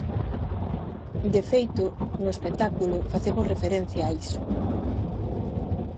De feito, no espectáculo facemos referencia a iso.